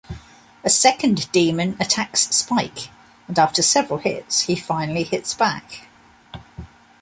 A second demon attacks Spike, and after several hits, he finally hits back.